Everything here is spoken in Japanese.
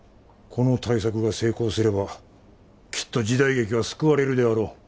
この大作が成功すればきっと時代劇は救われるであろう。